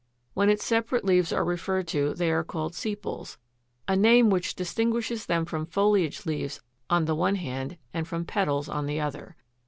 When its separate leaves are referred to they are called SEPALS, a name which distinguishes them from foliage leaves on the one hand, and from petals on the other.